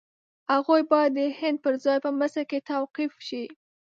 هغوی باید د هند پر ځای په مصر کې توقیف شي.